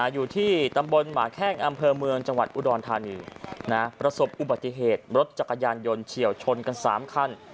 อยู่ที่ตำบลหมาแข้งอำเภอเมืองจังหวัดอุดรธานีประสบอุบัติเหตุรถจักรยานยนต์เฉียวชนกัน๓คัน